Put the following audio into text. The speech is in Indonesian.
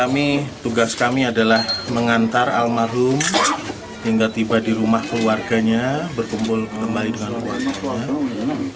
mengantar almarhum hingga tiba di rumah keluarganya berkumpul kembali dengan keluarganya